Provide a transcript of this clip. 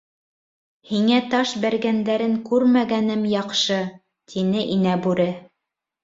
— Һиңә таш бәргәндәрен күрмәгәнем яҡшы, — тине Инә Бүре.